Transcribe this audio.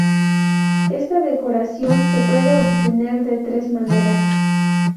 Esta decoración se puede obtener de tres maneras.